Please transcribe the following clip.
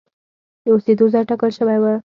د اوسېدو ځای ټاکل شوی و.